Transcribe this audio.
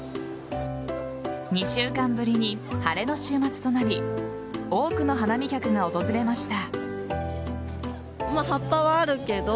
２週間ぶりに晴れの週末となり多くの花見客が訪れました。